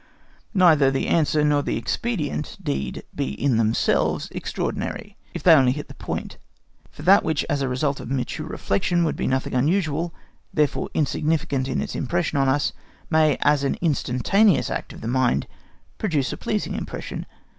Neither the answer nor the expedient need be in themselves extraordinary, if they only hit the point; for that which as the result of mature reflection would be nothing unusual, therefore insignificant in its impression on us, may as an instantaneous act of the mind produce a pleasing impression.